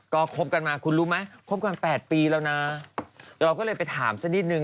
ก็ครบกันมาคุณรู้ไหม